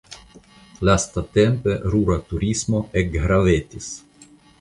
Lastatempe rura turismo ekgravetis.